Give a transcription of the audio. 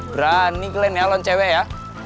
berani kalian nyalon cewek ya